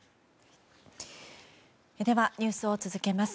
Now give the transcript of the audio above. ニュースを続けます。